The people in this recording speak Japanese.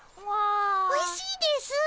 おいしいですぅ。